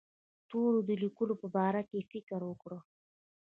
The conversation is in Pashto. تورو د لیکلو په باره کې فکر وکړ.